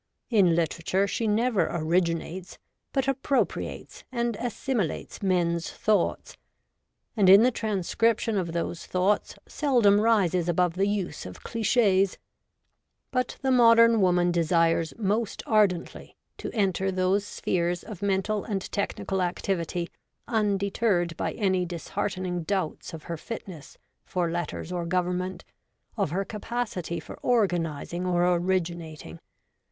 In literature she never originates, but appropriates and assimi lates men's thoughts, and in the transcription of those thoughts seldom rises above the use of clichis. But the Modern Woman desires most ardently to enter those spheres of mental and technical activity, undeterred by any disheartening doubts of her fitness for letters or government, of her capacity for organizing or originating.